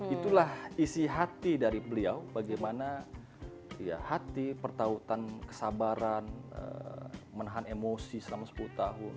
itulah isi hati dari beliau bagaimana hati pertautan kesabaran menahan emosi selama sepuluh tahun